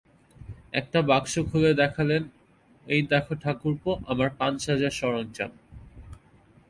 একটা বাক্স খুলে দেখালেন, এই দেখো ঠাকুরপো, আমার পান-সাজার সরঞ্জাম।